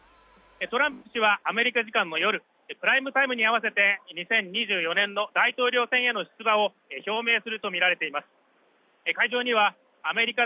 トランプ氏はアメリカ時間の夜、プライムタイムに合わせて２０２４年の大統領選への出馬を表明するものとみられています。